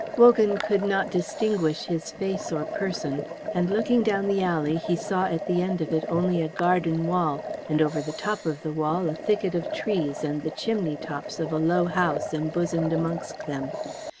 Wogan could not distinguish his face or person, and looking down the alley he saw at the end of it only a garden wall, and over the top of the wall a thicket of trees and the chimney tops of a low house embosomed amongst them.